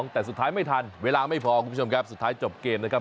แต่สุดท้ายไม่ทันเวลาไม่พอคุณผู้ชมครับสุดท้ายจบเกมนะครับ